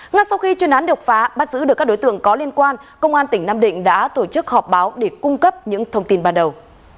ngay sau khi chuyên án độc phá bắt giữ được các đối tượng có liên quan công an tỉnh nam định đã tổ chức họp báo để cung cấp những thông tin ban đầu